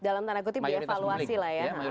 dalam tanda kutip dievaluasi lah ya